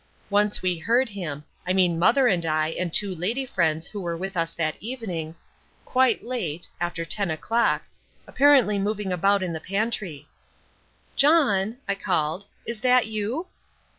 Once we heard him I mean Mother and I and two lady friends who were with us that evening quite late (after ten o'clock) apparently moving about in the pantry. "John," I called, "is that you?"